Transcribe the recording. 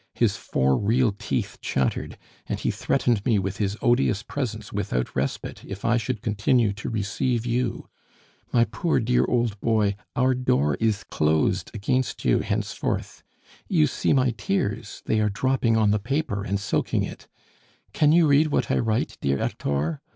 His four real teeth chattered, and he threatened me with his odious presence without respite if I should continue to receive you. My poor, dear old boy, our door is closed against you henceforth. You see my tears; they are dropping on the paper and soaking it; can you read what I write, dear Hector?